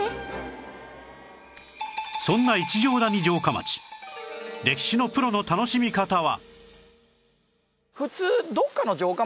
そんな一乗谷城下町歴史のプロの楽しみ方は